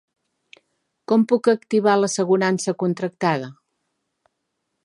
Com puc activar l'assegurança contractada?